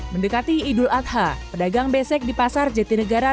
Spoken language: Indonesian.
mendekati idul adha pedagang besek di pasar jeti negara